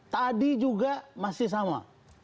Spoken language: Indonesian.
tadi juga masih sama